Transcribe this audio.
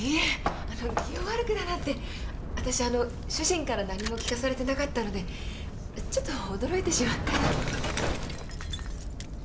わたしあのう主人から何も聞かされてなかったのでちょっと驚いてしまって。